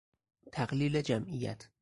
تقلیل جمعیت